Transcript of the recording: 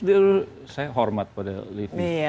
saya hormat pada livi